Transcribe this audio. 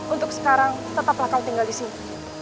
untuk sekarang tetaplah kau tinggal di sini